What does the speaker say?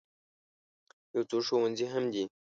یو څو ښوونځي هم دي.